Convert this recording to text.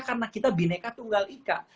karena kita bineka tunggal ika